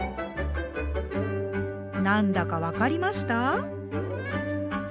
何だか分かりました？